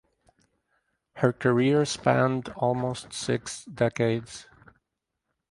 Her career spanned almost six decades.